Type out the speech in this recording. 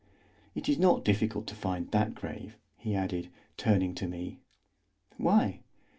—It is not difficult to find that grave," he added, turning to me. "Why?"